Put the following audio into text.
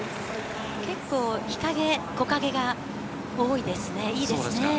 結構、日陰、木陰が多いですそうですか。